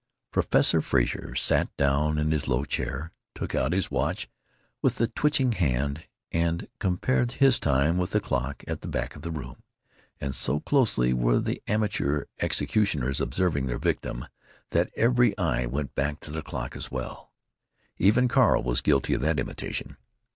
Professor Frazer sat down in his low chair, took out his watch with a twitching hand, and compared his time with the clock at the back of the room—and so closely were the amateur executioners observing their victim that every eye went back to the clock as well. Even Carl was guilty of that imitation.